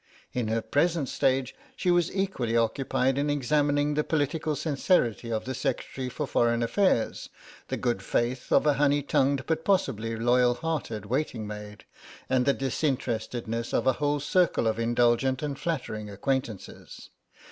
In her present stage she was equally occupied in examining the political sincerity of the Secretary for Foreign Affairs, the good faith of a honey tongued but possibly loyal hearted waiting maid, and the disinterestedness of a whole circle of indulgent and flattering acquaintances.